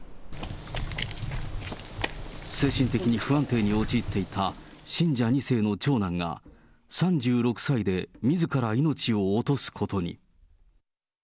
精神的に不安定に陥っていた信者２世の長男が、３６歳でみずから命を落とすことに。